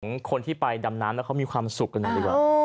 ของคนที่ไปดำน้ำแล้วเขามีความสุขกันหน่อยดีกว่า